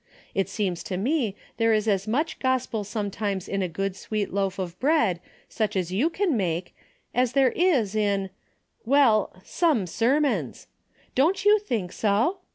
It seems to me there is as much gospel some times in a good sweet loaf of bread such as you can make, as there is in — well — some sermons. Don't you think so?